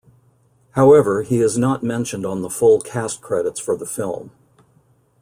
However, he is not mentioned on the full cast credits for the film.